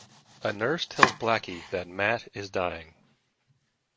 A nurse tells Blackie that Mat is dying.